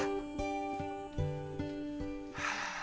はあ。